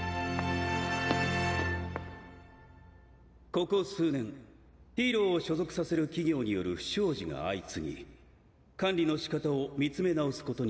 ここ数年ヒーローを所属させる企業による不祥事が相次ぎ管理の仕方を見つめ直すことになりました。